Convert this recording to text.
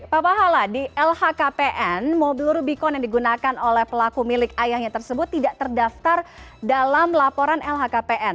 pak pahala di lhkpn mobil rubicon yang digunakan oleh pelaku milik ayahnya tersebut tidak terdaftar dalam laporan lhkpn